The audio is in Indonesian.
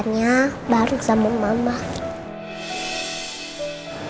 nanti aku duduknya agak jauhan gitu